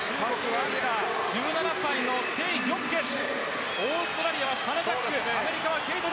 １７歳のテイ・ギョクケツ。